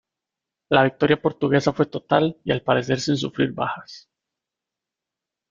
La victoria portuguesa fue total y al parecer sin sufrir bajas.